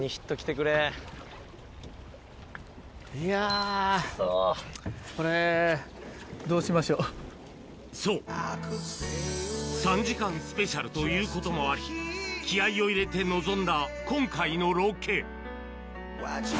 くそ、これ、どうしましそう、３時間スペシャルということもあり、気合いを入れて臨んだ今回のロケ。